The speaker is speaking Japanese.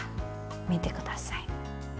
見てください。